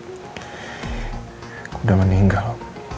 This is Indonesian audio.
aku udah meninggal